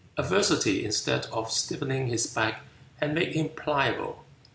Adversity, instead of stiffening his back, had made him pliable.